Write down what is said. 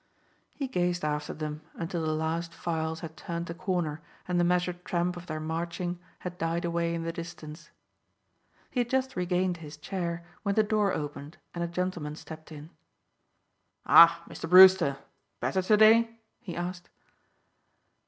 He gazed after them until the last files had turned the corner and the measured tramp of their marching had died away in the distance. He had just regained his chair when the door opened and a gentleman stepped in. "Ah, Mr. Brewster! Better to day?" he asked.